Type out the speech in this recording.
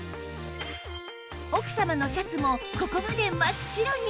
奥様のシャツもここまで真っ白に！